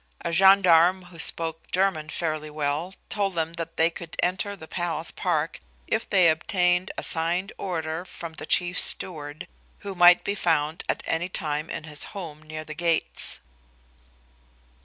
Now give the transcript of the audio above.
A gendarme who spoke German fairly well told them that they could enter the palace park if they obtained a signed order from the chief steward, who might be found at any time in his home near the gates.